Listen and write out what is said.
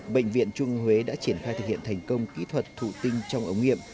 bệnh viện trung ương huế đã triển khai thực hiện thành công kỹ thuật thụ tinh trong ống nghiệm